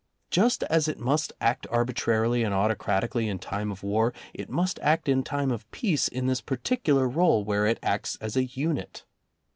Just as it must act arbitrarily and autocratically in time of war, it must act in time of peace in this particular role where it acts as a unit.